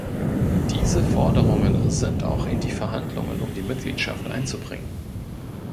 Diese Forderungen sind auch in die Verhandlungen um die Mitgliedschaft einzubringen.